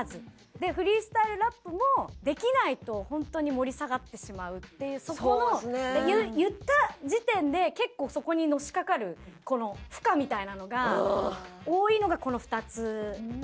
でフリースタイルラップもできないと本当に盛り下がってしまうっていうそこの。言った時点で結構そこにのしかかる負荷みたいなのが多いのがこの２つ。